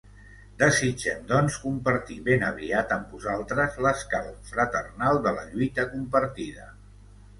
Desitgem doncs compartir ben aviat amb vosaltres l’escalf fraternal de la lluita compartida.